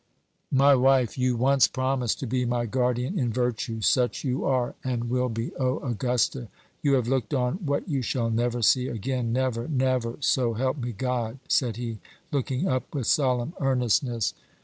"My wife you once promised to be my guardian in virtue such you are, and will be. O Augusta! you have looked on what you shall never see again never never so help me God!" said he, looking up with solemn earnestness.